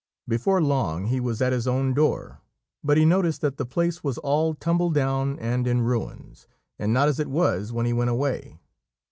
Before long he was at his own door, but he noticed that the place was all tumble down and in ruins, and not as it was when he went away.